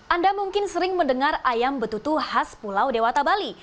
anda mungkin sering mendengar ayam betutu khas pulau dewata bali